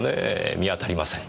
見当たりません。